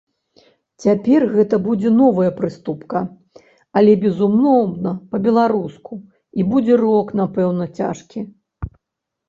Цяпер гэта будзе новая прыступка, але, безумоўна, па-беларуску, і будзе рок, напэўна, цяжкі.